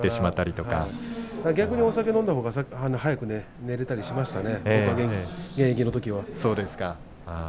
逆に、お酒を飲んだほうが早く眠れたりしましたね現役のときは。